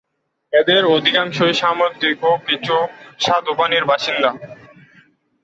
এদের অধিকাংশই সামুদ্রিক, কিছু স্বাদুপানির বাসিন্দা।